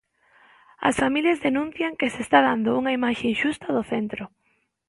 As familias denuncian que se está dando unha imaxe inxusta do centro.